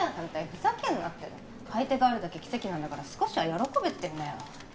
ふざけんなっての買い手があるだけ奇跡なんだから少しは喜べってんだよ！